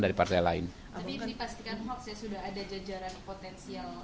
dari partai lain tapi dipastikan hoax ya sudah ada jajaran potensial